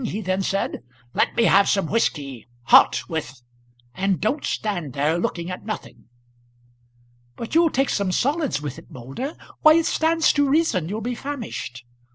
he then said. "Let me have some whisky, hot, with; and don't stand there looking at nothing." "But you'll take some solids with it, Moulder? Why it stands to reason you'll be famished."